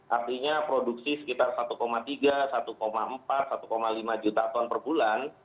artinya produksi sekitar satu tiga satu empat satu lima juta ton per bulan